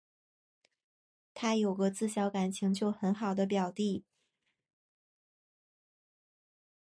她有个自小感情就很好的表弟